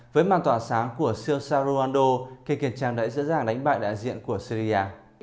với màn tỏa sáng của siêu sao ronaldo khi kiểm tra đẩy giữa giảng đánh bại đại diện của serie a